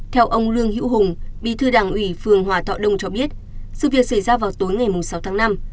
theo ông lương hữu hùng bí thư đảng ủy phường hòa thọ đông cho biết sự việc xảy ra vào tối ngày sáu tháng năm